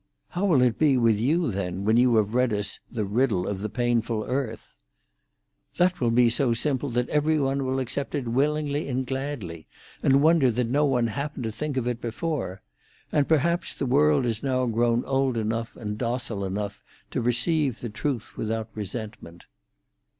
"How will it be with you, then, when you have read us 'the riddle of the painful earth'?" "That will be so simple that every one will accept it willingly and gladly, and wonder that no one happened to think of it before. And, perhaps, the world is now grown old enough and docile enough to receive the truth without resentment."